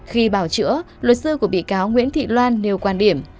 khi bào chữa luật sư của bị cáo nguyễn thị loan nêu quan điểm